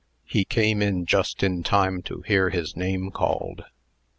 He came in just in time to hear his name called.